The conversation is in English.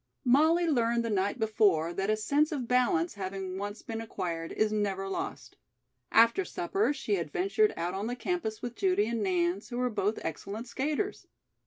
Molly learned the night before that a sense of balance having once been acquired is never lost. After supper she had ventured out on the campus with Judy and Nance, who were both excellent skaters.